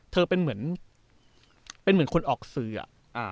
เธอเป็นเหมือนเป็นเหมือนคนออกสื่ออะ